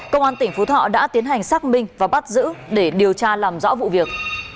công an tỉnh phú thọ đã tiến hành xác minh và bắt giữ để điều tra làm rõ vụ việc